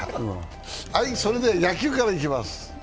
それでは、野球からいきます